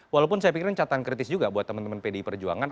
walaupun saya pikir ini catatan kritis juga buat teman teman pdi perjuangan